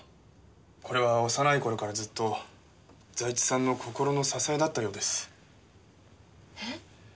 これは幼い頃からずっと財津さんの心の支えだったようです。え？